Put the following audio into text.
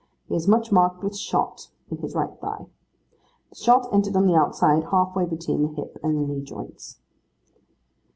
He is much marked with shot in his right thigh. The shot entered on the outside, halfway between the hip and knee joints.